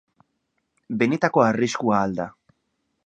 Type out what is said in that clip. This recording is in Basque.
Benetako arriskua ahal da?